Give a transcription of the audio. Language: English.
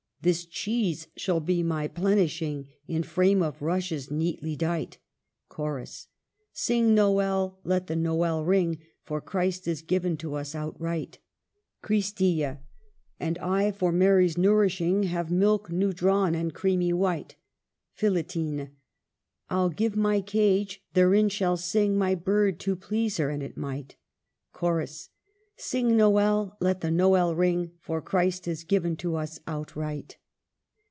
This cheese shall be my plenishing, In frame of rushes neatly dight. Chorus. Sing Nowell, let the Nowell ring, For Christ is given to us outright. Christilla. And I for Mary's nourishing Have milk new drawn and creamy white. Philitine. I '11 give my cage : therein shall sing My bird, to please her, an it might. Chorus. Sing Nowell, let the Nowell ring, For Christ is given to us outright.